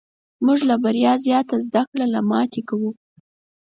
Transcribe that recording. موږ له بریا زیاته زده کړه له ماتې کوو.